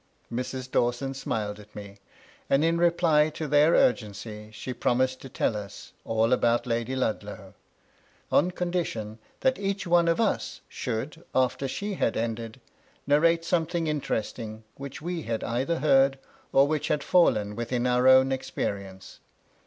'* Mrs. Dawson smiled at me, and in reply to their urgency she promised to tell us all about Lady Ludlow, on condition that each one of us should, after she had ended, narrate something interesting, which we had either heard, or which had fallen within our own ex perience.